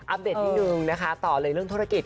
อัปเดตที่๑นะคะต่อเลยเรื่องธุรกิจ